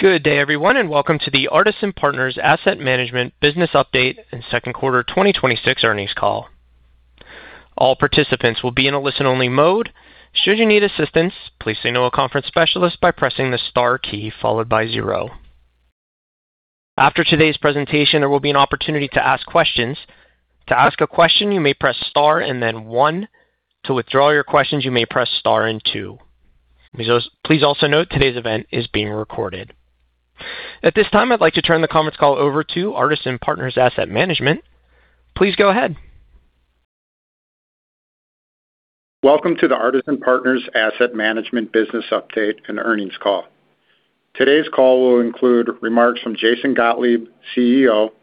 Good day, everyone, and welcome to the Artisan Partners Asset Management Business Update and second quarter 2026 Earnings Call. All participants will be in a listen-only mode. Should you need assistance, please signal a conference specialist by pressing the star key followed by zero. After today's presentation, there will be an opportunity to ask questions. To ask a question, you may press star and then one. To withdraw your questions, you may press star and two. Please also note today's event is being recorded. At this time, I'd like to turn the conference call over to Artisan Partners Asset Management. Please go ahead. Welcome to the Artisan Partners Asset Management Business Update and Earnings Call. Today's call will include remarks from Jason Gottlieb, Chief Executive Officer,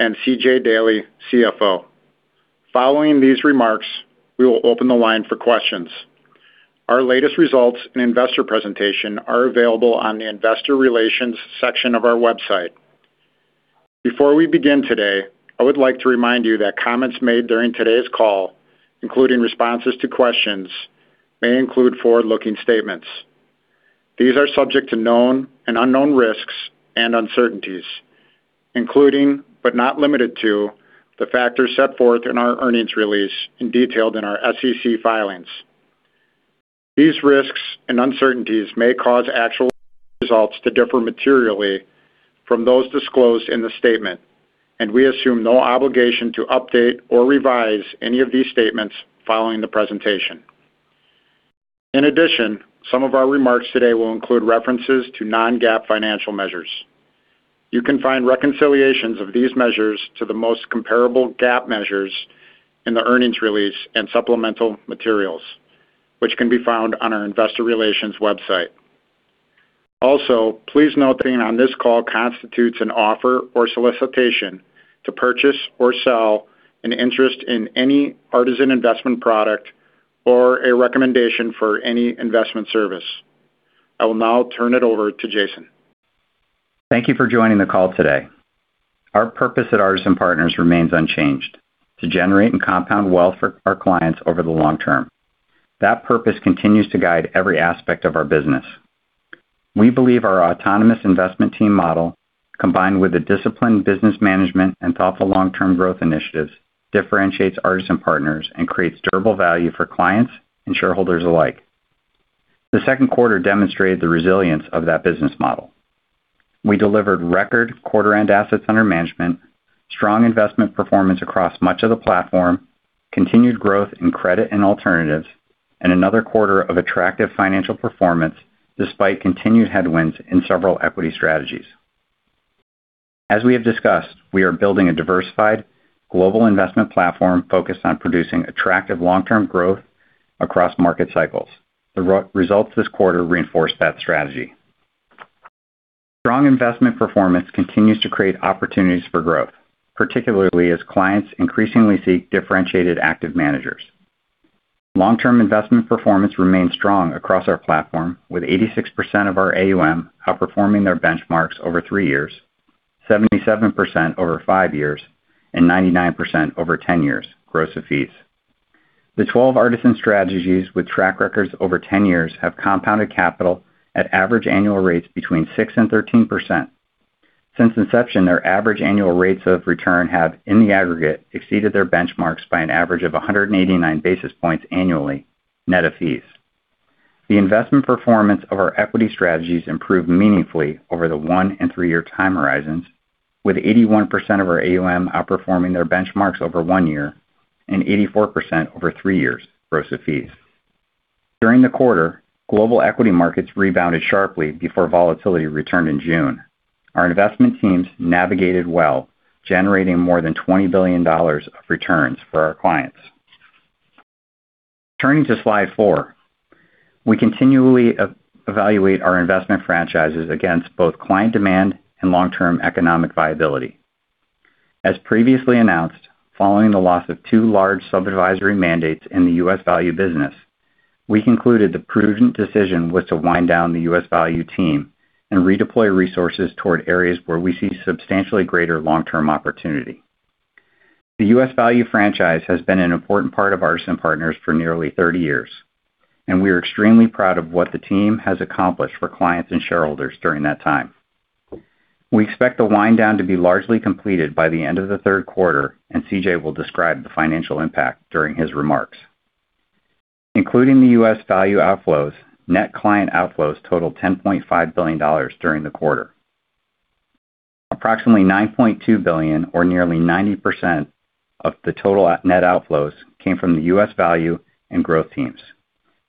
and Charles Daley, Chief Financial Officer. Following these remarks, we will open the line for questions. Our latest results and investor presentation are available on the investor relations section of our website. Before we begin today, I would like to remind you that comments made during today's call, including responses to questions, may include forward-looking statements. These are subject to known and unknown risks and uncertainties, including, but not limited to, the factors set forth in our earnings release and detailed in our SEC filings. These risks and uncertainties may cause actual results to differ materially from those disclosed in the statement, and we assume no obligation to update or revise any of these statements following the presentation. In addition, some of our remarks today will include references to Non-GAAP financial measures. You can find reconciliations of these measures to the most comparable GAAP measures in the earnings release and supplemental materials, which can be found on our investor relations website. Also, please note nothing on this call constitutes an offer or solicitation to purchase or sell an interest in any Artisan investment product or a recommendation for any investment service. I will now turn it over to Jason. Thank you for joining the call today. Our purpose at Artisan Partners remains unchanged: to generate and compound wealth for our clients over the long term. That purpose continues to guide every aspect of our business. We believe our autonomous investment team model, combined with a disciplined business management and thoughtful long-term growth initiatives, differentiates Artisan Partners and creates durable value for clients and shareholders alike. The second quarter demonstrated the resilience of that business model. We delivered record quarter-end assets under management, strong investment performance across much of the platform, continued growth in credit and alternatives, and another quarter of attractive financial performance despite continued headwinds in several equity strategies. As we have discussed, we are building a diversified global investment platform focused on producing attractive long-term growth across market cycles. The results this quarter reinforce that strategy. Strong investment performance continues to create opportunities for growth, particularly as clients increasingly seek differentiated active managers. Long-term investment performance remains strong across our platform, with 86% of our AUM outperforming their benchmarks over three years, 77% over five years, and 99% over 10 years, gross of fees. The 12 Artisan strategies with track records over 10 years have compounded capital at average annual rates between 6%-13%. Since inception, their average annual rates of return have, in the aggregate, exceeded their benchmarks by an average of 189 basis points annually, net of fees. The investment performance of our equity strategies improved meaningfully over the one and three-year time horizons, with 81% of our AUM outperforming their benchmarks over one year and 84% over three years, gross of fees. During the quarter, global equity markets rebounded sharply before volatility returned in June. Our investment teams navigated well, generating more than $20 billion of returns for our clients. Turning to slide four. We continually evaluate our investment franchises against both client demand and long-term economic viability. As previously announced, following the loss of two large sub-advisory mandates in the U.S. value business, we concluded the prudent decision was to wind down the U.S. value team and redeploy resources toward areas where we see substantially greater long-term opportunity. The U.S. value franchise has been an important part of Artisan Partners for nearly 30 years, and we are extremely proud of what the team has accomplished for clients and shareholders during that time. We expect the wind down to be largely completed by the end of the third quarter, and Charles Daley will describe the financial impact during his remarks. Including the U.S. value outflows, net client outflows totaled $10.5 billion during the quarter. Approximately $9.2 billion, or nearly 90%, of the total net outflows came from the U.S. value and growth teams,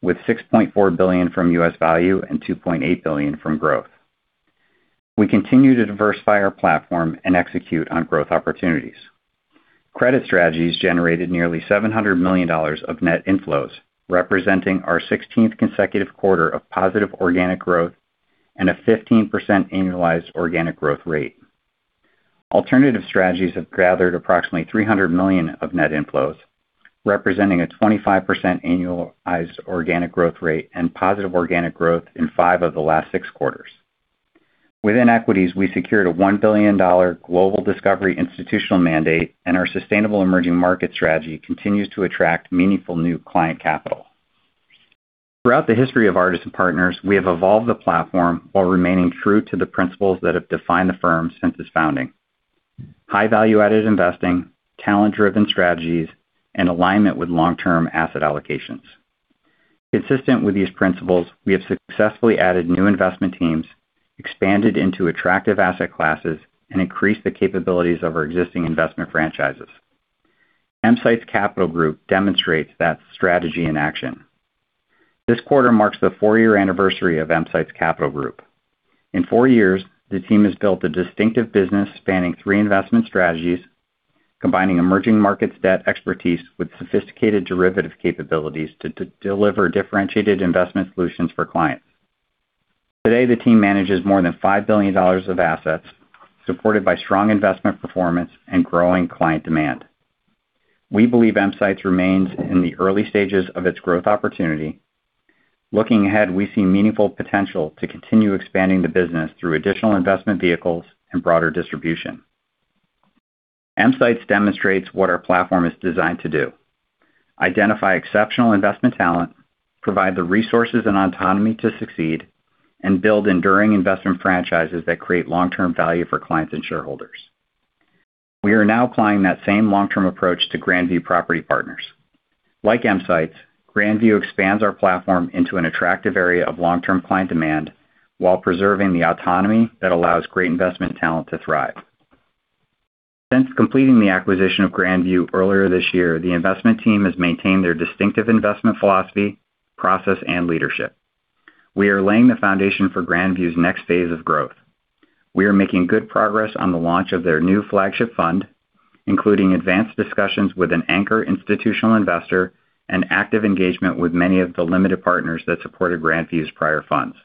with $6.4 billion from U.S. value and $2.8 billion from growth. We continue to diversify our platform and execute on growth opportunities. Credit strategies generated nearly $700 million of net inflows, representing our 16th consecutive quarter of positive organic growth and a 15% annualized organic growth rate. Alternative strategies have gathered approximately $300 million of net inflows, representing a 25% annualized organic growth rate and positive organic growth in five of the last six quarters. Within equities, we secured a $1 billion global discovery institutional mandate, and our sustainable emerging market strategy continues to attract meaningful new client capital. Throughout the history of Artisan Partners, we have evolved the platform while remaining true to the principles that have defined the firm since its founding: high value-added investing, talent-driven strategies, and alignment with long-term asset allocations. Consistent with these principles, we have successfully added new investment teams, expanded into attractive asset classes, and increased the capabilities of our existing investment franchises. EMsights Capital Group demonstrates that strategy in action. This quarter marks the four-year anniversary of EMsights Capital Group. In four years, the team has built a distinctive business spanning three investment strategies, combining emerging markets debt expertise with sophisticated derivative capabilities to deliver differentiated investment solutions for clients. Today, the team manages more than $5 billion of assets, supported by strong investment performance and growing client demand. We believe EMsights remains in the early stages of its growth opportunity. Looking ahead, we see meaningful potential to continue expanding the business through additional investment vehicles and broader distribution. EMsights demonstrates what our platform is designed to do: identify exceptional investment talent, provide the resources and autonomy to succeed, and build enduring investment franchises that create long-term value for clients and shareholders. We are now applying that same long-term approach to Grandview Property Partners. Like EMsights, Grandview expands our platform into an attractive area of long-term client demand while preserving the autonomy that allows great investment talent to thrive. Since completing the acquisition of Grandview earlier this year, the investment team has maintained their distinctive investment philosophy, process, and leadership. We are laying the foundation for Grandview's next phase of growth. We are making good progress on the launch of their new flagship fund, including advanced discussions with an anchor institutional investor and active engagement with many of the limited partners that supported Grandview's prior funds.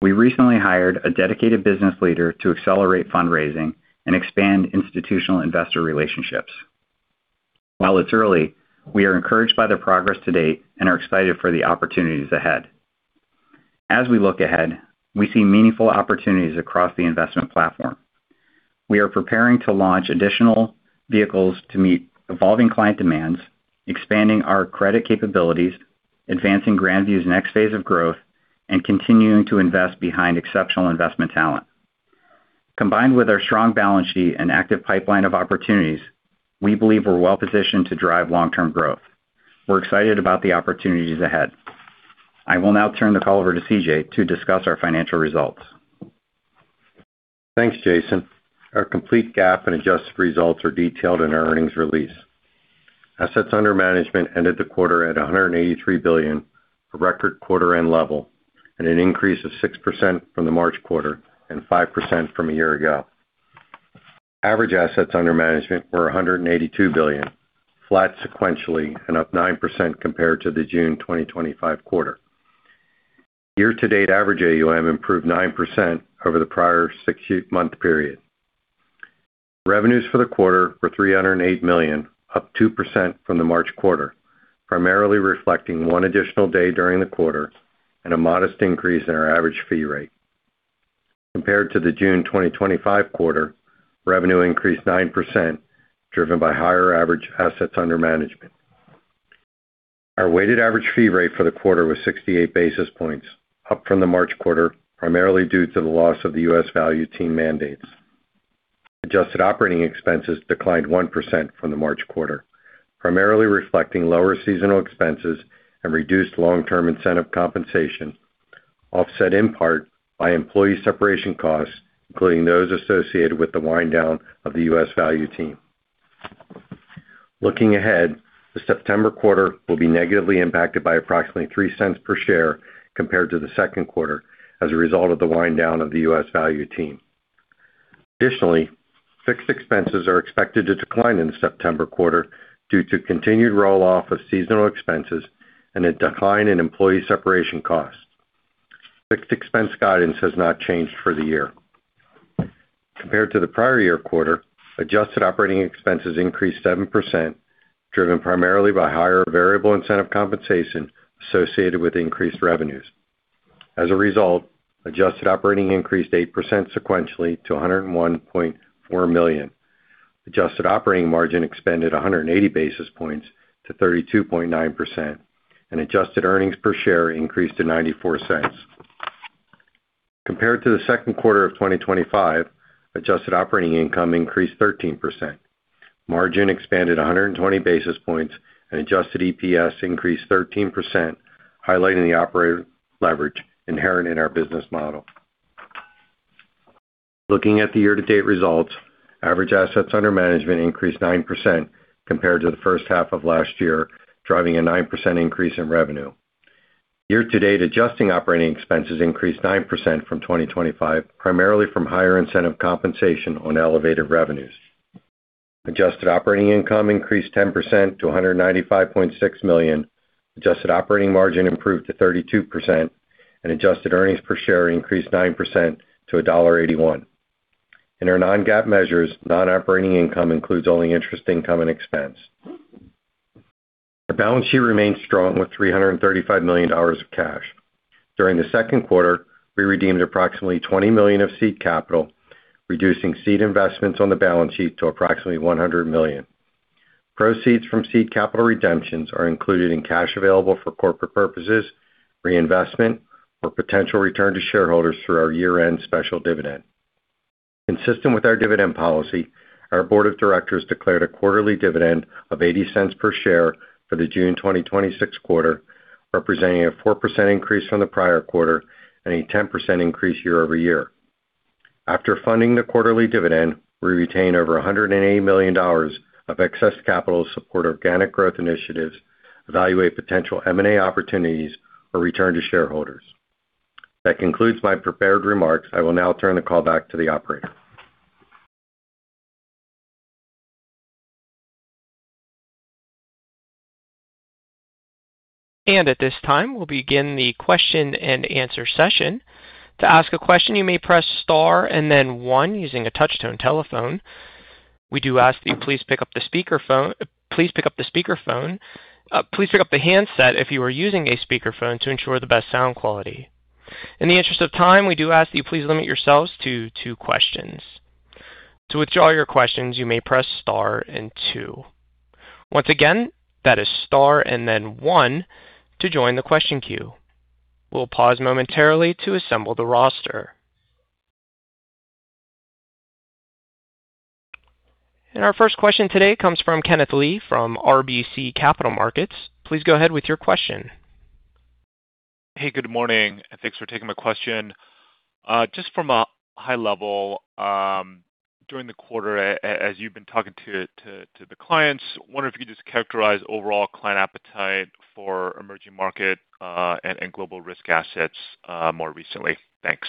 We recently hired a dedicated business leader to accelerate fundraising and expand institutional investor relationships. While it's early, we are encouraged by their progress to date and are excited for the opportunities ahead. We look ahead, we see meaningful opportunities across the investment platform. We are preparing to launch additional vehicles to meet evolving client demands, expanding our credit capabilities, advancing Grandview's next phase of growth, and continuing to invest behind exceptional investment talent. Combined with our strong balance sheet and active pipeline of opportunities, we believe we're well positioned to drive long-term growth. We're excited about the opportunities ahead. I will now turn the call over to Charles Daley to discuss our financial results. Thanks, Jason. Our complete GAAP and adjusted results are detailed in our earnings release. Assets under management ended the quarter at $183 billion, a record quarter end level, and an increase of 6% from the March quarter and 5% from a year ago. Average assets under management were $182 billion, flat sequentially and up 9% compared to the June 2025 quarter. Year-to-date average AUM improved 9% over the prior six-month period. Revenues for the quarter were $308 million, up 2% from the March quarter, primarily reflecting one additional day during the quarter and a modest increase in our average fee rate. Compared to the June 2025 quarter, revenue increased 9%, driven by higher average assets under management. Our weighted average fee rate for the quarter was 68 basis points, up from the March quarter, primarily due to the loss of the U.S. Value team mandates. Adjusted operating expenses declined 1% from the March quarter, primarily reflecting lower seasonal expenses and reduced long-term incentive compensation, offset in part by employee separation costs, including those associated with the wind down of the U.S. Value team. Looking ahead, the September quarter will be negatively impacted by approximately $0.03 per share compared to the second quarter as a result of the wind down of the U.S. Value team. Additionally, fixed expenses are expected to decline in the September quarter due to continued roll-off of seasonal expenses and a decline in employee separation costs. Fixed expense guidance has not changed for the year. Compared to the prior year quarter, adjusted operating expenses increased 7%, driven primarily by higher variable incentive compensation associated with increased revenues. As a result, adjusted operating increased 8% sequentially to $101.4 million. Adjusted operating margin expanded 180 basis points to 32.9%, and adjusted earnings per share increased to $0.94. Compared to the second quarter of 2025, adjusted operating income increased 13%. Margin expanded 120 basis points, and adjusted EPS increased 13%, highlighting the operating leverage inherent in our business model. Looking at the year-to-date results, average assets under management increased 9% compared to the first half of last year, driving a 9% increase in revenue. Year-to-date adjusted operating expenses increased 9% from 2025, primarily from higher incentive compensation on elevated revenues. Adjusted operating income increased 10% to $195.6 million. Adjusted operating margin improved to 32%, and adjusted earnings per share increased 9% to $1.81. In our Non-GAAP measures, non-operating income includes only interest income and expense. Our balance sheet remains strong with $335 million of cash. During the second quarter, we redeemed approximately $20 million of seed capital, reducing seed investments on the balance sheet to approximately $100 million. Proceeds from seed capital redemptions are included in cash available for corporate purposes, reinvestment, or potential return to shareholders through our year-end special dividend. Consistent with our dividend policy, our board of directors declared a quarterly dividend of $0.80 per share for the June 2026 quarter, representing a 4% increase from the prior quarter and a 10% increase year-over-year. After funding the quarterly dividend, we retain over $180 million of excess capital to support organic growth initiatives, evaluate potential M&A opportunities or return to shareholders. That concludes my prepared remarks. I will now turn the call back to the operator. At this time, we'll begin the question-and-answer session. To ask a question, you may press star and then one using a touch-tone telephone. We do ask that you please pick up the handset if you are using a speakerphone to ensure the best sound quality. In the interest of time, we do ask that you please limit yourselves to two questions. To withdraw your questions, you may press star and two. Once again, that is star and then one to join the question queue. We'll pause momentarily to assemble the roster. Our first question today comes from Kenneth Lee from RBC Capital Markets. Please go ahead with your question. Hey, good morning, and thanks for taking my question. Just from a high level, during the quarter, as you've been talking to the clients, wonder if you could just characterize overall client appetite for emerging markets, and global risk assets, more recently. Thanks.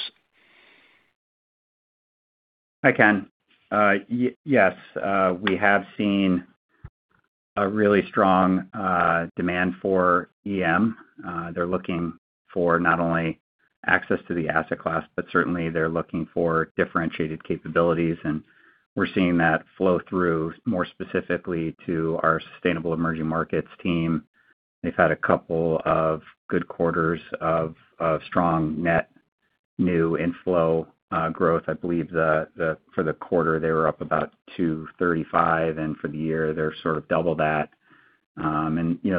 Hi, Ken. Yes. We have seen a really strong demand for EM. They're looking for not only access to the asset class, but certainly they're looking for differentiated capabilities, and we're seeing that flow through more specifically to our sustainable emerging markets team. They've had a couple of good quarters of strong net new inflow, growth. I believe for the quarter, they were up about 235, and for the year, they're sort of double that.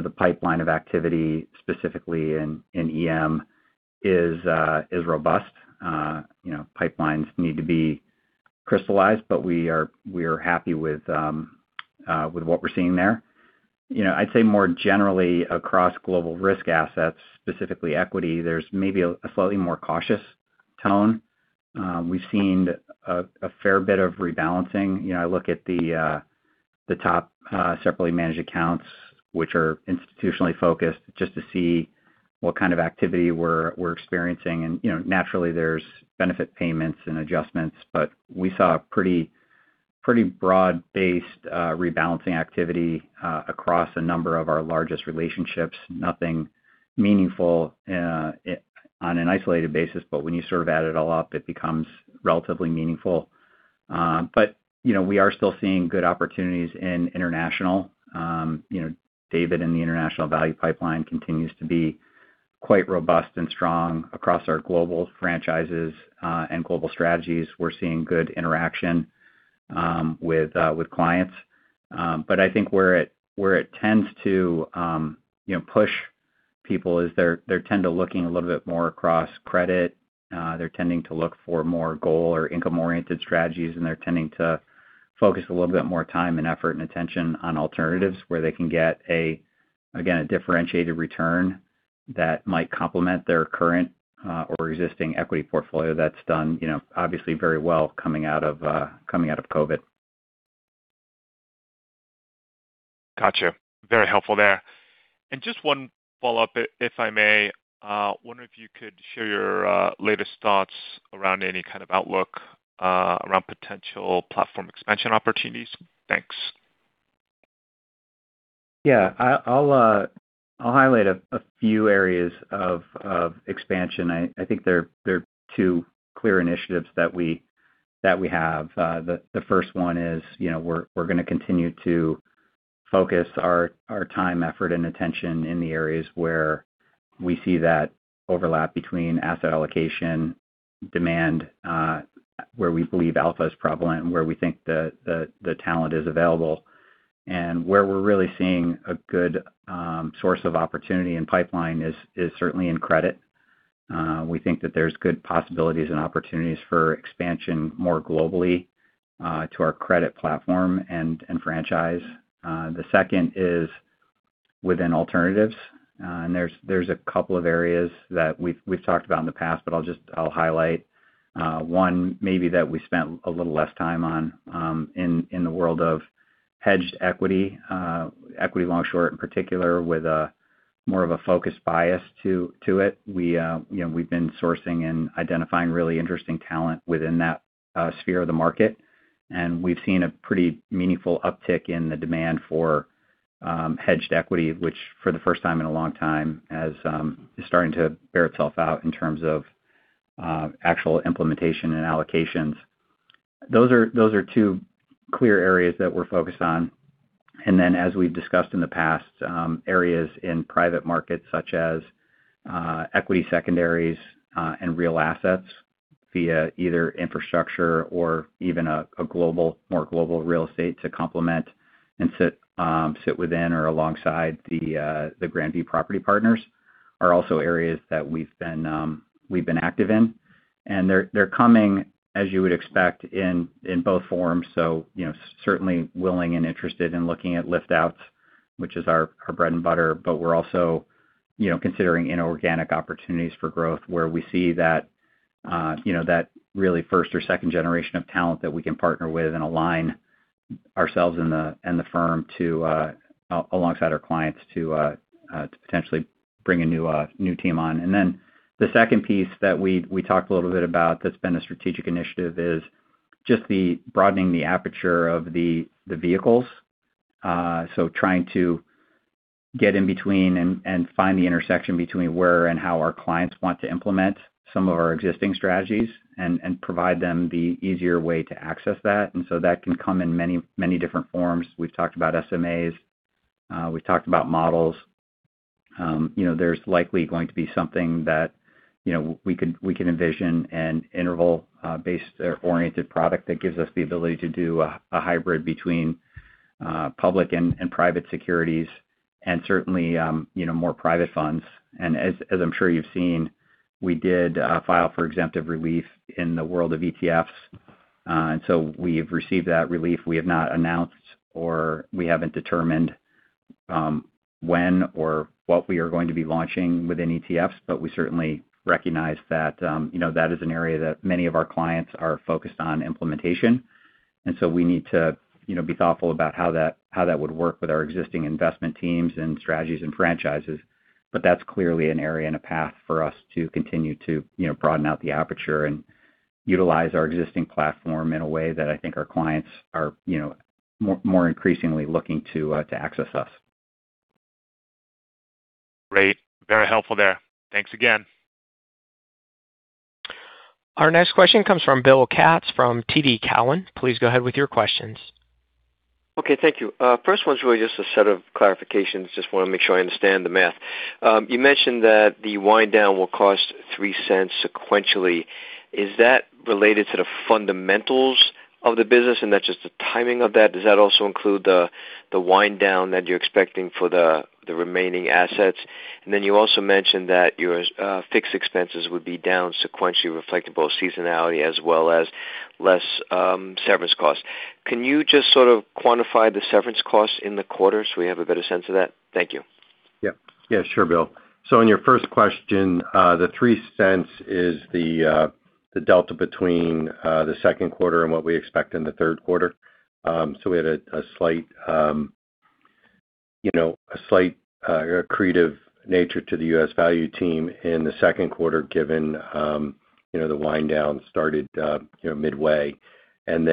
The pipeline of activity, specifically in EM is robust. Pipelines need to be crystallized, but we are happy with what we're seeing there. I'd say more generally across global risk assets, specifically equity, there's maybe a slightly more cautious tone. We've seen a fair bit of rebalancing. I look at the top Separately Managed Accounts, which are institutionally focused, just to see what kind of activity we're experiencing. Naturally, there's benefit payments and adjustments. We saw a pretty broad-based rebalancing activity across a number of our largest relationships. Nothing meaningful on an isolated basis, but when you sort of add it all up, it becomes relatively meaningful. We are still seeing good opportunities in international. David, in the international value pipeline continues to be quite robust and strong across our global franchises, and global strategies. We're seeing good interaction with clients. I think where it tends to push people is they're tend to looking a little bit more across credit. They're tending to look for more goal or income-oriented strategies, and they're tending to focus a little bit more time and effort and attention on alternatives where they can get, again, a differentiated return that might complement their current or existing equity portfolio that's done obviously very well coming out of COVID. Got you. Very helpful there. Just one follow-up, if I may. Wonder if you could share your latest thoughts around any kind of outlook around potential platform expansion opportunities. Thanks. Yeah. I'll highlight a few areas of expansion. I think there are two clear initiatives that we have. The first one is we're going to continue to focus our time, effort, and attention in the areas where we see that overlap between asset allocation demand where we believe alpha is prevalent and where we think the talent is available. Where we're really seeing a good source of opportunity and pipeline is certainly in credit. We think that there's good possibilities and opportunities for expansion more globally to our credit platform and franchise. The second is within alternatives. There's a couple of areas that we've talked about in the past, but I'll highlight one maybe that we spent a little less time on in the world of hedged equity. Equity long-short in particular with more of a focus bias to it. We've been sourcing and identifying really interesting talent within that sphere of the market. We've seen a pretty meaningful uptick in the demand for hedged equity, which for the first time in a long time is starting to bear itself out in terms of actual implementation and allocations. Those are two clear areas that we're focused on. As we've discussed in the past, areas in private markets such as equity secondaries, and real assets via either infrastructure or even a more global real estate to complement and sit within or alongside the Grandview Property Partners are also areas that we've been active in. They're coming, as you would expect, in both forms. Certainly willing and interested in looking at lift outs, which is our bread and butter, but we're also considering inorganic opportunities for growth where we see that really first or second generation of talent that we can partner with and align ourselves and the firm alongside our clients to potentially bring a new team on. The second piece that we talked a little bit about that's been a strategic initiative is just the broadening the aperture of the vehicles. Trying to get in between and find the intersection between where and how our clients want to implement some of our existing strategies, and provide them the easier way to access that. That can come in many different forms. We've talked about SMAs, we've talked about models. There's likely going to be something that we can envision an interval-based or oriented product that gives us the ability to do a hybrid between public and private securities, and certainly more private funds. As I'm sure you've seen, we did file for exemptive relief in the world of ETFs. We've received that relief. We have not announced, or we haven't determined when or what we are going to be launching within ETFs, but we certainly recognize that is an area that many of our clients are focused on implementation. We need to be thoughtful about how that would work with our existing investment teams and strategies and franchises. That's clearly an area and a path for us to continue to broaden out the aperture and utilize our existing platform in a way that I think our clients are more increasingly looking to access us. Great. Very helpful there. Thanks again. Our next question comes from Bill Katz from TD Cowen. Please go ahead with your questions. Okay, thank you. First one's really just a set of clarifications. Just want to make sure I understand the math. You mentioned that the wind down will cost $0.03 sequentially. Is that related to the fundamentals of the business, and that's just the timing of that? Does that also include the wind down that you're expecting for the remaining assets? You also mentioned that your fixed expenses would be down sequentially, reflecting both seasonality as well as less severance costs. Can you just sort of quantify the severance costs in the quarter so we have a better sense of that? Thank you. Yeah. Sure, Bill. On your first question, the $0.03 is the delta between the second quarter and what we expect in the third quarter. We had a slight accretive nature to the U.S. Value team in the second quarter, given the wind down started midway. In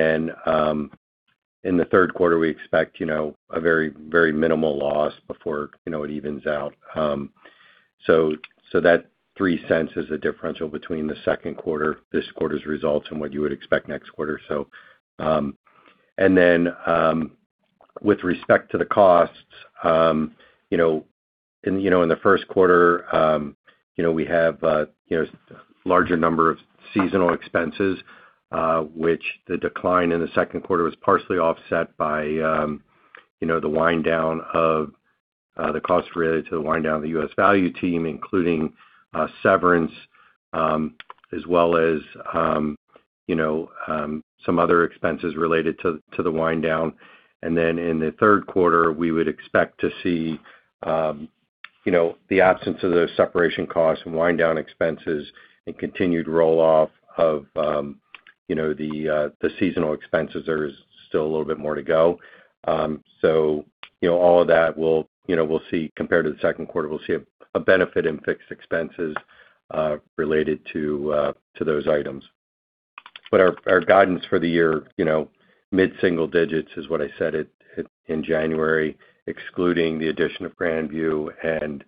the third quarter, we expect a very minimal loss before it evens out. That $0.03 is a differential between the second quarter, this quarter's results, and what you would expect next quarter. With respect to the costs, in the first quarter, we have larger number of seasonal expenses, which the decline in the second quarter was partially offset by the costs related to the wind down of the U.S. Value team, including severance, as well as some other expenses related to the wind down. In the third quarter, we would expect to see the absence of those separation costs and wind down expenses and continued roll-off of the seasonal expenses. There is still a little bit more to go. All of that we'll see compared to the second quarter, we'll see a benefit in fixed expenses related to those items. Our guidance for the year, mid-single digits is what I said it in January, excluding the addition of Grandview and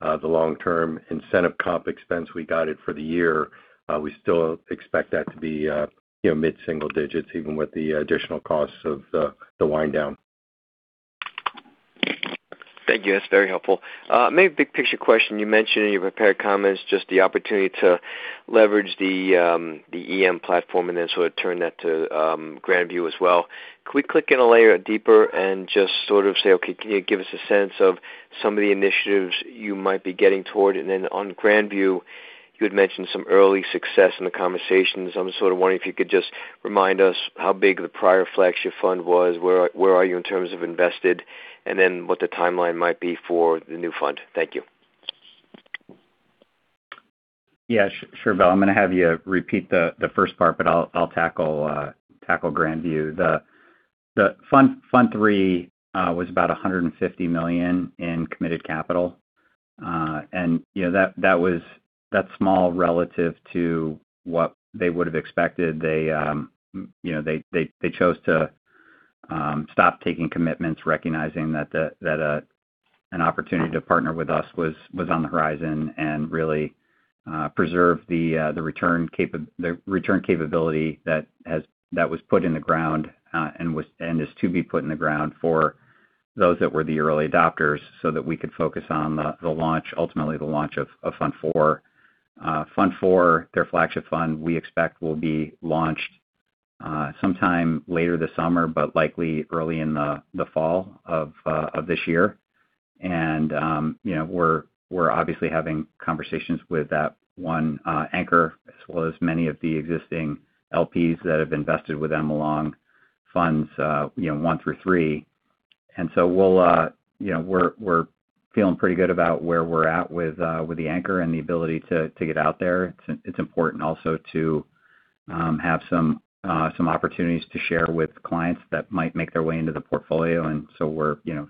the long-term incentive comp expense we guided for the year. We still expect that to be mid-single digits, even with the additional costs of the wind down. Thank you. That's very helpful. Maybe a big picture question. You mentioned in your prepared comments, just the opportunity to leverage the EM platform and then sort of turn that to Grandview as well. Could we click in a layer deeper and just sort of say, okay, can you give us a sense of some of the initiatives you might be getting toward? On Grandview, you had mentioned some early success in the conversations. I'm just sort of wondering if you could just remind us how big the prior flagship fund was, where are you in terms of invested, and then what the timeline might be for the new fund. Thank you. Yeah, sure, Bill. I'm going to have you repeat the first part, I'll tackle Grandview. Fund III was about $150 million in committed capital. That's small relative to what they would've expected. They chose to stop taking commitments, recognizing that an opportunity to partner with us was on the horizon, and really preserve the return capability that was put in the ground, and is to be put in the ground for those that were the early adopters, so that we could focus on ultimately the launch of Fund IV. Fund IV, their flagship fund, we expect will be launched sometime later this summer, likely early in the fall of this year. We're obviously having conversations with that one anchor, as well as many of the existing LPs that have invested with them along Funds I through III. We're feeling pretty good about where we're at with the anchor and the ability to get out there. It's important also to have some opportunities to share with clients that might make their way into the portfolio.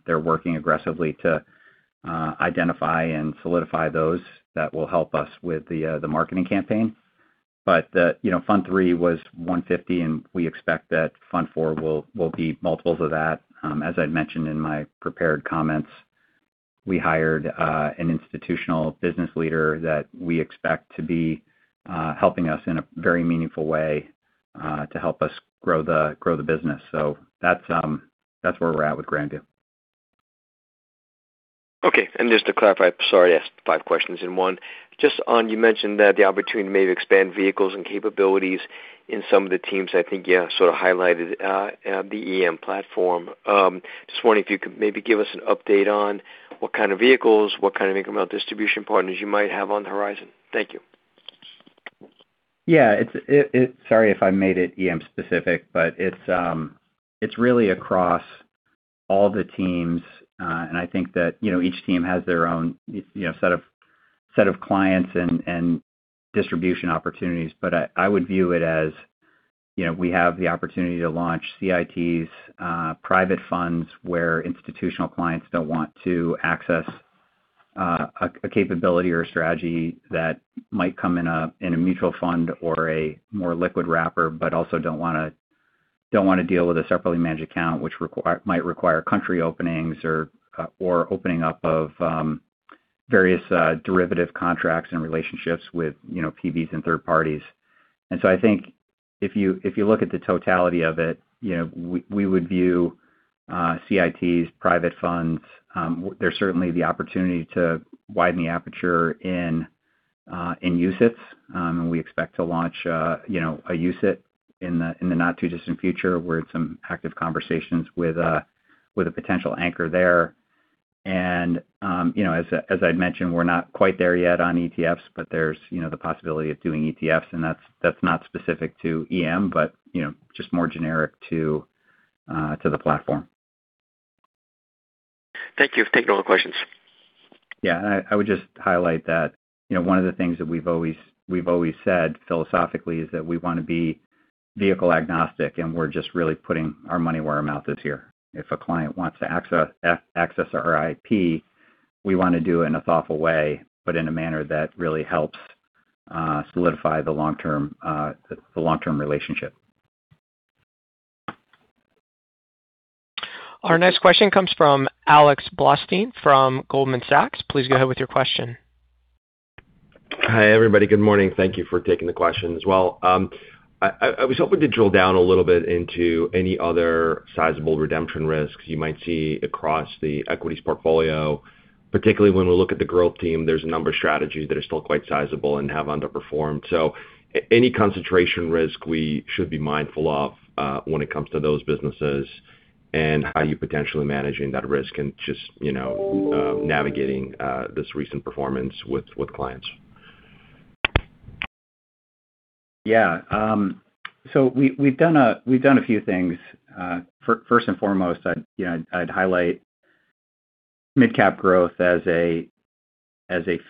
They're working aggressively to identify and solidify those that will help us with the marketing campaign. Fund III was $150, and we expect that Fund IV will be multiples of that. As I'd mentioned in my prepared comments, we hired an institutional business leader that we expect to be helping us in a very meaningful way, to help us grow the business. That's where we're at with Grandview. Okay. Just to clarify, sorry I asked five questions in one. You mentioned that the opportunity to maybe expand vehicles and capabilities in some of the teams. I think you sort of highlighted the EM platform. Just wondering if you could maybe give us an update on what kind of vehicles, what kind of incremental distribution partners you might have on the horizon. Thank you. Yeah. Sorry if I made it EM specific, but it's really across all the teams. I think that each team has their own set of clients and distribution opportunities. But I would view it as, we have the opportunity to launch CITs private funds where institutional clients don't want to access a capability or a strategy that might come in a mutual fund or a more liquid wrapper, but also don't want to deal with a Separately Managed Account, which might require country openings or opening up of various derivative contracts and relationships with PBs and third parties. I think if you look at the totality of it, we would view CITs private funds. There's certainly the opportunity to widen the aperture in UCITS. We expect to launch a UCITS in the not-too-distant future. We're in some active conversations with a potential anchor there. As I'd mentioned, we're not quite there yet on ETFs, but there's the possibility of doing ETFs, and that's not specific to EM, but just more generic to the platform. Thank you. Thank you for taking all the questions. Yeah. I would just highlight that one of the things that we've always said philosophically is that we want to be vehicle agnostic, and we're just really putting our money where our mouth is here. If a client wants to access our IP, we want to do it in a thoughtful way, but in a manner that really helps solidify the long-term relationship. Our next question comes from Alex Blostein from Goldman Sachs. Please go ahead with your question. Hi, everybody. Good morning. Thank you for taking the question as well. I was hoping to drill down a little bit into any other sizable redemption risks you might see across the equities portfolio. Particularly when we look at the growth team, there's a number of strategies that are still quite sizable and have underperformed. Any concentration risk we should be mindful of when it comes to those businesses, and how you're potentially managing that risk and just navigating this recent performance with clients. Yeah. We've done a few things. First and foremost, I'd highlight mid-cap growth as a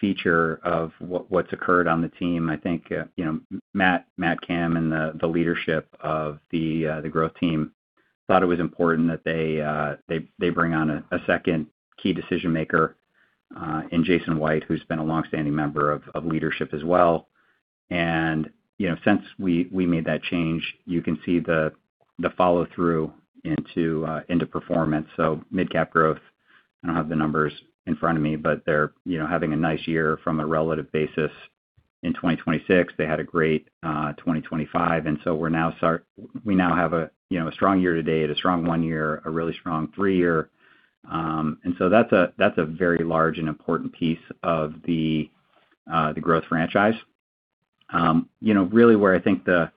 feature of what's occurred on the team. I think Matt Kamm and the leadership of the growth team thought it was important that they bring on a second key decision-maker in Jason White, who's been a longstanding member of leadership as well. Since we made that change, you can see the follow-through into performance. Mid-cap growth, I don't have the numbers in front of me, but they're having a nice year from a relative basis in 2026. They had a great 2025. We now have a strong year to date, a strong one year, a really strong three year. That's a very large and important piece of the growth franchise. Really where I think the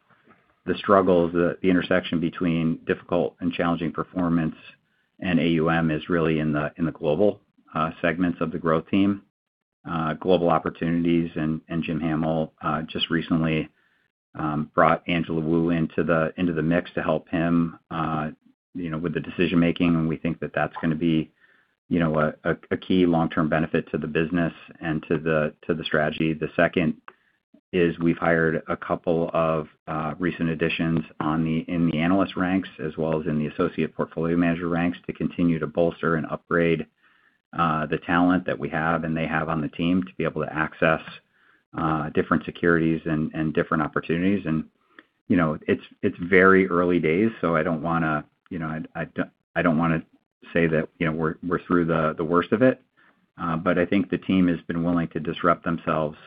struggle, the intersection between difficult and challenging performance and AUM is really in the global segments of the growth team. Global opportunities, and Jim Hamel just recently brought Angela Wu into the mix to help him with the decision-making, and we think that that's going to be a key long-term benefit to the business and to the strategy. The second is we've hired a couple of recent additions in the analyst ranks, as well as in the associate portfolio manager ranks, to continue to bolster and upgrade the talent that we have and they have on the team to be able to access different securities and different opportunities. It's very early days, so I don't want to say that we're through the worst of it. I think the team has been willing to disrupt themselves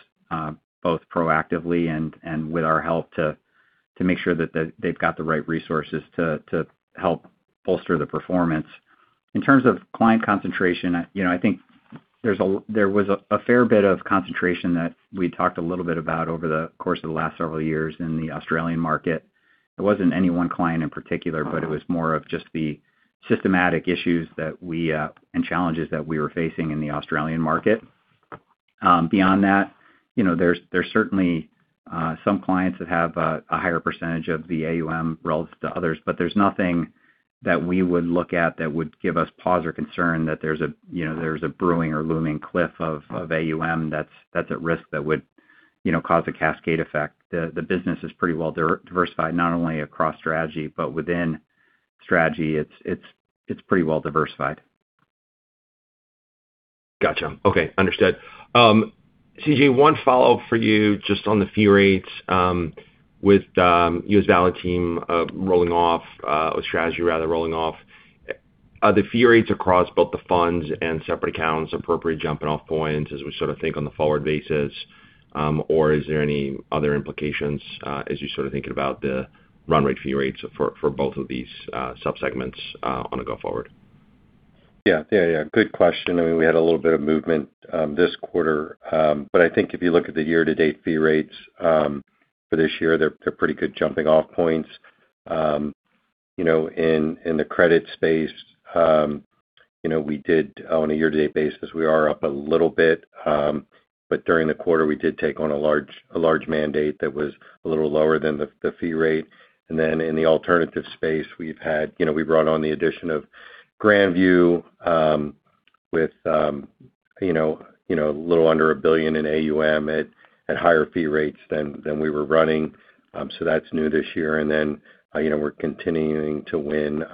both proactively and with our help to make sure that they've got the right resources to help bolster the performance. In terms of client concentration, I think there was a fair bit of concentration that we talked a little bit about over the course of the last several years in the Australian market. It wasn't any one client in particular, but it was more of just the systematic issues and challenges that we were facing in the Australian market. Beyond that, there's certainly some clients that have a higher percentage of the AUM relative to others, but there's nothing that we would look at that would give us pause or concern that there's a brewing or looming cliff of AUM that's at risk that would cause a cascade effect. The business is pretty well diversified, not only across strategy, but within strategy. It's pretty well diversified. Got you. Okay. Understood. Charles Daley., one follow-up for you just on the fee rates with US Value team rolling off, or strategy rather, rolling off. Are the fee rates across both the funds and separate accounts appropriate jumping off points as we sort of think on the forward basis? Is there any other implications as you're sort of thinking about the run rate fee rates for both of these sub-segments on a go forward? Yeah. Good question. I mean, we had a little bit of movement this quarter. I think if you look at the year-to-date fee rates for this year, they're pretty good jumping off points. In the credit space, on a year-to-date basis, we are up a little bit. During the quarter, we did take on a large mandate that was a little lower than the fee rate. In the alternative space, we brought on the addition of Grandview, with a little under $1 billion in AUM at higher fee rates than we were running. That's new this year, and then we're continuing to win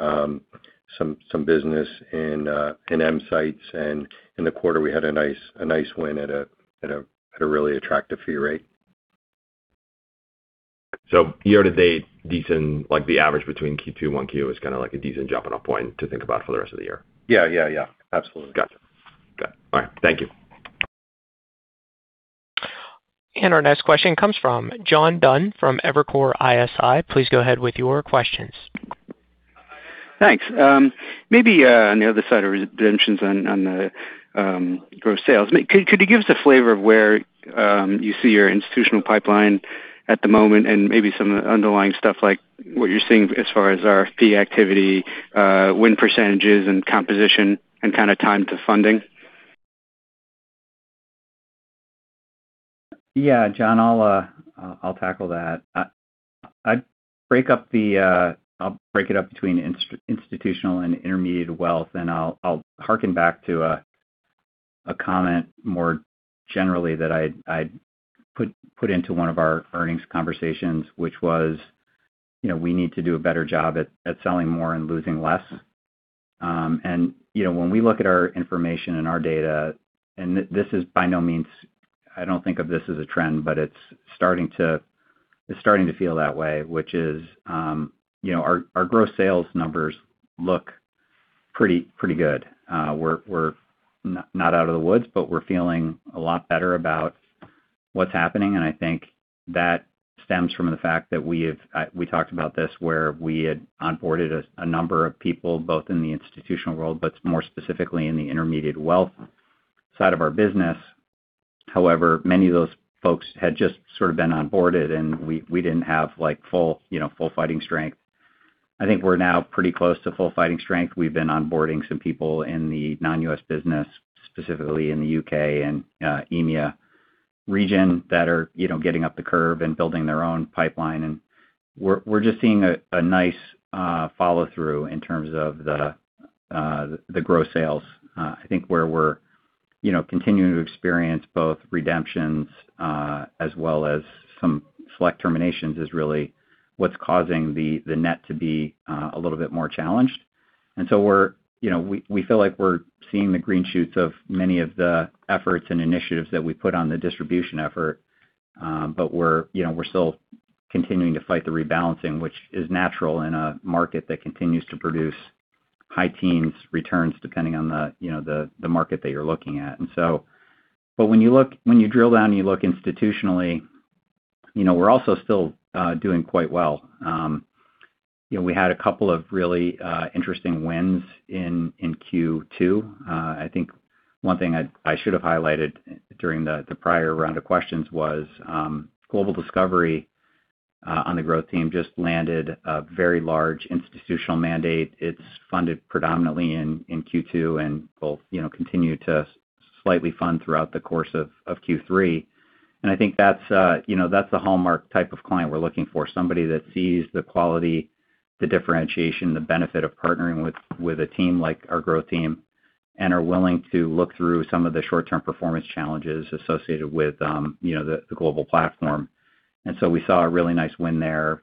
some business in EMsights. In the quarter, we had a nice win at a really attractive fee rate. Year-to-date, the average between Q2-Q1 is a decent jumping off point to think about for the rest of the year. Yeah. Absolutely. Gotcha. Okay. All right. Thank you. Our next question comes from John Dunn from Evercore ISI. Please go ahead with your questions. Thanks. Maybe on the other side of redemptions on the gross sales, could you give us a flavor of where you see your institutional pipeline at the moment and maybe some underlying stuff like what you're seeing as far as RFP activity, win percentage and composition, and kind of time to funding? John, I'll tackle that. I'll break it up between institutional and intermediate wealth, I'll harken back to a comment more generally that I'd put into one of our earnings conversations, which was, we need to do a better job at selling more and losing less. When we look at our information and our data, and this is by no means I don't think of this as a trend, but it's starting to feel that way, which is our gross sales numbers look pretty good. We're not out of the woods, but we're feeling a lot better about what's happening, I think that stems from the fact that We talked about this where we had onboarded a number of people, both in the institutional world, but more specifically in the intermediate wealth side of our business. However, many of those folks had just sort of been onboarded, we didn't have full fighting strength. I think we're now pretty close to full fighting strength. We've been onboarding some people in the non-U.S. business, specifically in the U.K. and EMEA region that are getting up the curve and building their own pipeline. We're just seeing a nice follow-through in terms of the gross sales. I think where we're continuing to experience both redemptions as well as some select terminations is really what's causing the net to be a little bit more challenged. So we feel like we're seeing the green shoots of many of the efforts and initiatives that we put on the distribution effort. We're still continuing to fight the rebalancing, which is natural in a market that continues to produce high teens returns depending on the market that you're looking at. When you drill down and you look institutionally, we're also still doing quite well. We had a couple of really interesting wins in Q2. I think one thing I should have highlighted during the prior round of questions was Global Discovery on the growth team just landed a very large institutional mandate. It's funded predominantly in Q2 and will continue to slightly fund throughout the course of Q3. I think that's the hallmark type of client we're looking for. Somebody that sees the quality, the differentiation, the benefit of partnering with a team like our growth team, and are willing to look through some of the short-term performance challenges associated with the global platform. We saw a really nice win there.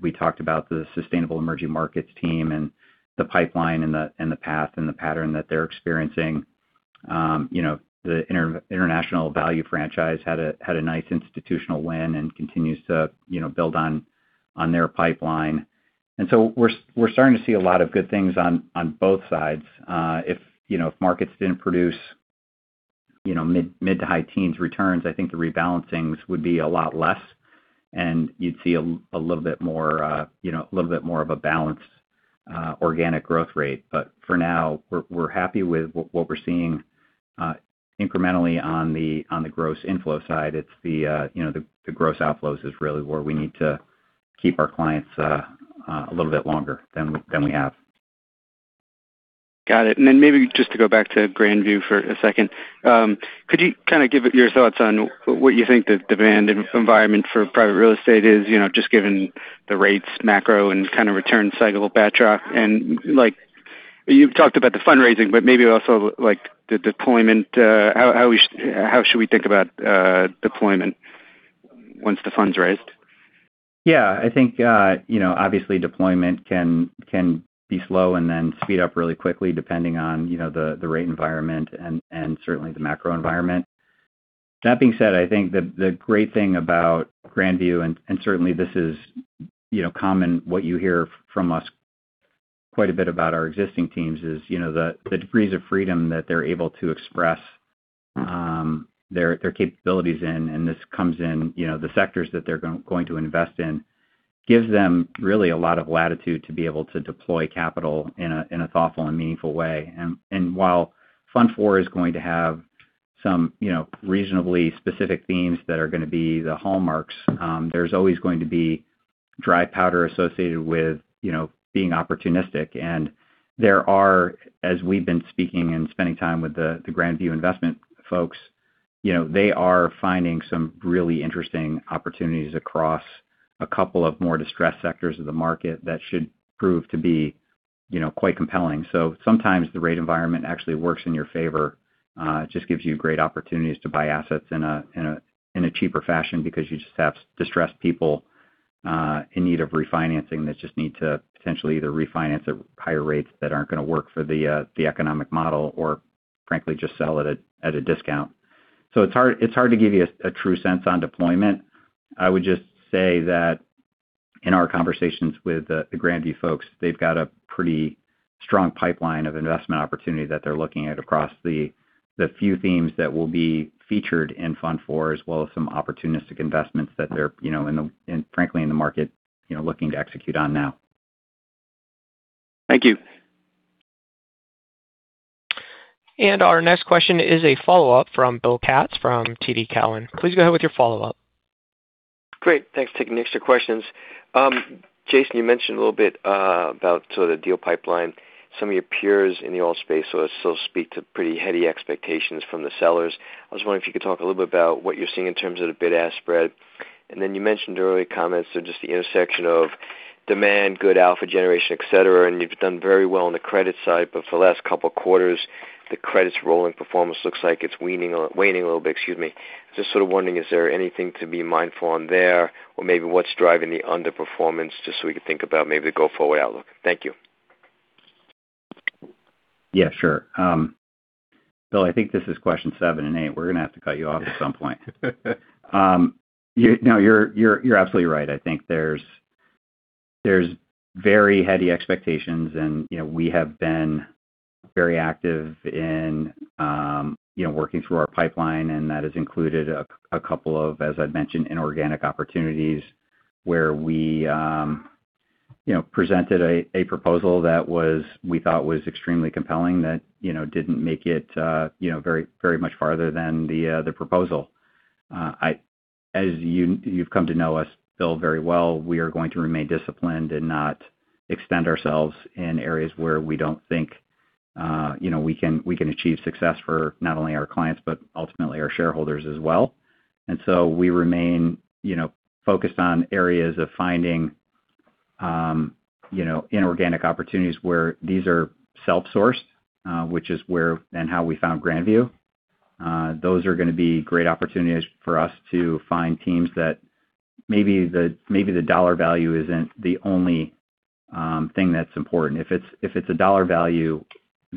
We talked about the sustainable emerging markets team and the pipeline and the path and the pattern that they're experiencing. The international value franchise had a nice institutional win and continues to build on their pipeline. We're starting to see a lot of good things on both sides. If markets didn't produce mid to high teens returns, I think the rebalancing would be a lot less, and you'd see a little bit more of a balanced organic growth rate. For now, we're happy with what we're seeing incrementally on the gross inflow side. The gross outflows is really where we need to keep our clients a little bit longer than we have. Got it. Maybe just to go back to Grandview for a second. Could you kind of give your thoughts on what you think the demand environment for private real estate is, just given the rates macro and kind of return cycle backdrop? You've talked about the fundraising, but maybe also the deployment. How should we think about deployment once the fund's raised? Yeah. I think, obviously deployment can be slow and then speed up really quickly depending on the rate environment and certainly the macro environment. That being said, I think the great thing about Grandview, and certainly this is common, what you hear from us quite a bit about our existing teams is the degrees of freedom that they're able to express their capabilities in, and this comes in the sectors that they're going to invest in. Gives them really a lot of latitude to be able to deploy capital in a thoughtful and meaningful way. While Fund IV is going to have some reasonably specific themes that are going to be the hallmarks, there's always going to be dry powder associated with being opportunistic. There are, as we've been speaking and spending time with the Grandview investment folks, they are finding some really interesting opportunities across a couple of more distressed sectors of the market that should prove to be quite compelling. Sometimes the rate environment actually works in your favor. It just gives you great opportunities to buy assets in a cheaper fashion because you just have distressed people in need of refinancing that just need to potentially either refinance at higher rates that aren't going to work for the economic model, or frankly, just sell it at a discount. It's hard to give you a true sense on deployment. I would just say that in our conversations with the Grandview folks, they've got a pretty strong pipeline of investment opportunity that they're looking at across the few themes that will be featured in Fund IV, as well as some opportunistic investments that they're frankly in the market looking to execute on now. Thank you. Our next question is a follow-up from Bill Katz from TD Cowen. Please go ahead with your follow-up. Great. Thanks for taking the extra questions. Jason, you mentioned a little bit about sort of the deal pipeline, some of your peers in the old space, so to speak, to pretty heady expectations from the sellers. I was wondering if you could talk a little bit about what you're seeing in terms of the bid-ask spread. Then you mentioned earlier comments, so just the intersection of demand, good alpha generation, et cetera, and you've done very well on the credit side, but for the last couple of quarters, the credit's rolling performance looks like it's waning a little bit. Just sort of wondering, is there anything to be mindful on there or maybe what's driving the underperformance just so we can think about maybe the go-forward outlook? Thank you. Yeah, sure. Bill, I think this is question seven and eight. We're going to have to cut you off at some point. No, you're absolutely right. I think there's very heady expectations, and we have been very active in working through our pipeline, and that has included a couple of, as I'd mentioned, inorganic opportunities where we presented a proposal that we thought was extremely compelling that didn't make it very much farther than the proposal. As you've come to know us, Bill, very well, we are going to remain disciplined and not extend ourselves in areas where we don't think we can achieve success for not only our clients, but ultimately our shareholders as well. So we remain focused on areas of finding inorganic opportunities where these are self-sourced, which is where and how we found Grandview. Those are going to be great opportunities for us to find teams that maybe the dollar value isn't the only thing that's important. If it's a dollar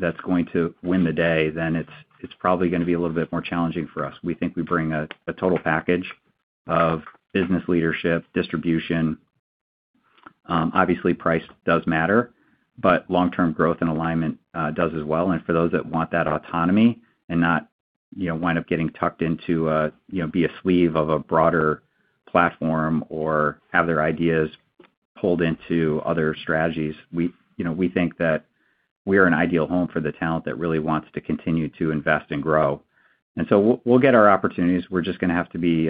value that's going to win the day, then it's probably going to be a little bit more challenging for us. We think we bring a total package of business leadership, distribution. Obviously, price does matter, but long-term growth and alignment does as well. For those that want that autonomy and not wind up getting tucked into be a sleeve of a broader platform or have their ideas pulled into other strategies, we think that we are an ideal home for the talent that really wants to continue to invest and grow. So we'll get our opportunities. We're just going to have to be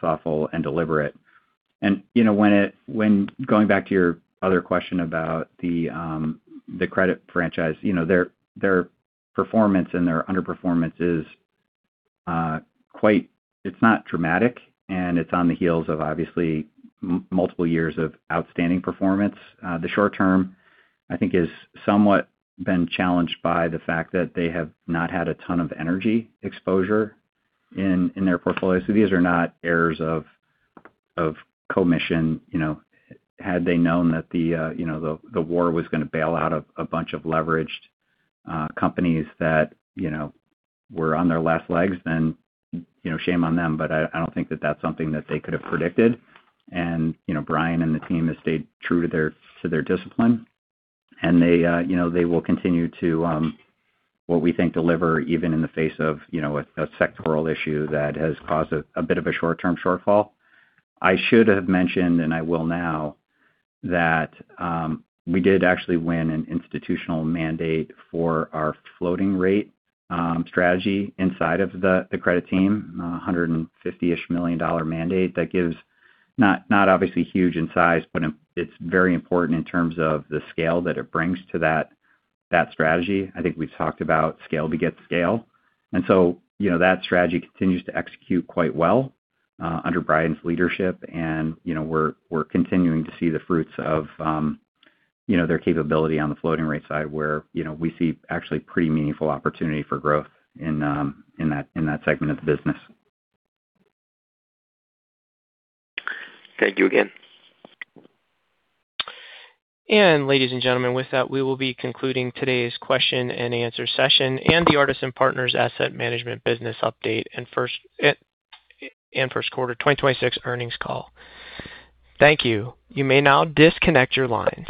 thoughtful and deliberate. Going back to your other question about the credit franchise, their performance and their underperformance is quite. It's not dramatic, and it's on the heels of obviously multiple years of outstanding performance. The short-term, I think is somewhat been challenged by the fact that they have not had a ton of energy exposure in their portfolio. These are not errors of commission. Had they known that the war was going to bail out a bunch of leveraged companies that were on their last legs, then shame on them. I don't think that that's something that they could have predicted. Brian and the team have stayed true to their discipline, and they will continue to, what we think deliver even in the face of a sectoral issue that has caused a bit of a short-term shortfall. I should have mentioned, and I will now, that we did actually win an institutional mandate for our floating rate strategy inside of the credit team, $150-ish million mandate that gives not obviously huge in size, but it's very important in terms of the scale that it brings to that strategy. I think we've talked about scale to get scale. So that strategy continues to execute quite well under Brian's leadership, and we're continuing to see the fruits of their capability on the floating rate side, where we see actually pretty meaningful opportunity for growth in that segment of the business. Thank you again. Ladies and gentlemen, with that, we will be concluding today's question and answer session and the Artisan Partners Asset Management Business Update and second quarter 2026 earnings call. Thank you. You may now disconnect your line.